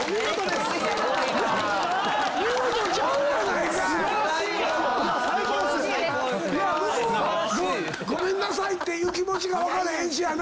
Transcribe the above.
向こうはごめんなさいっていう気持ちか分かれへんしやな。